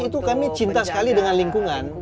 itu kami cinta sekali dengan lingkungan